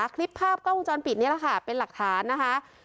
คลิปภาพกล้องวงจรปิดนี่แหละค่ะเป็นหลักฐานนะคะ